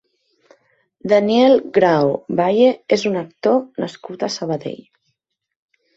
Daniel Grao Valle és un actor nascut a Sabadell.